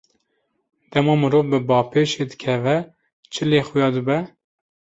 Dema mirov bi bapêşê dikeve, çi lê xuya dibe?